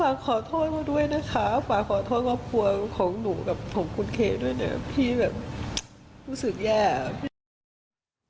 ฝากขอโทษกับด้วยนะคะฝากขอโทษกับครัวของหนูกับของคุณเคด้วยเนี่ย